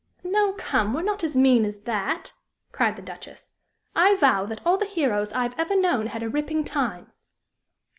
"No, come, we're not as mean as that!" cried the Duchess. "I vow that all the heroes I've ever known had a ripping time.